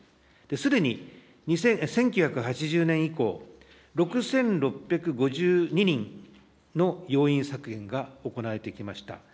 すでに１９８０年以降、６６５２人の要員削減が行われてきました。